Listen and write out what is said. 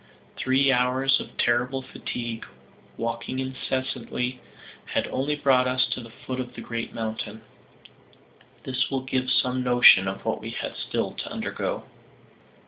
Three hours of terrible fatigue, walking incessantly, had only brought us to the foot of the great mountain. This will give some notion of what we had still to undergo.